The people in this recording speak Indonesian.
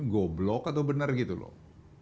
goblok atau benar gitu loh